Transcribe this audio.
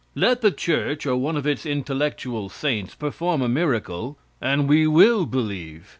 Let the church, or one of its intellectual saints, perform a miracle, and we will believe.